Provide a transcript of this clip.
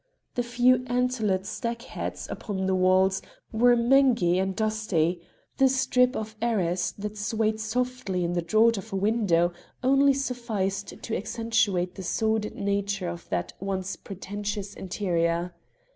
The few antlered stag heads upon the walls were mangey and dusty; the strip of arras that swayed softly in the draught of a window only sufficed to accentuate the sordid nature of that once pretentious interior.